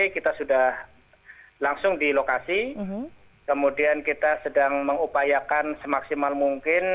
kita sudah langsung di lokasi kemudian kita sedang mengupayakan semaksimal mungkin